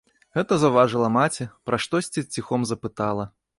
Гэта заўважыла маці, пра штосьці ціхом запытала.